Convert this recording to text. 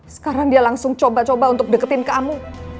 sekarang dia langsung coba coba untuk deketin ke kamu